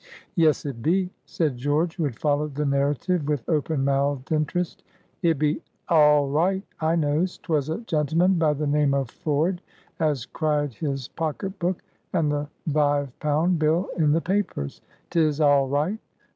"Yes, it be!" said George, who had followed the narrative with open mouthed interest. "It be aal right. I knows. 'Twas a gentleman by the name of Ford as cried his pocket book, and the vive pound bill in the papers. 'Tis aal right.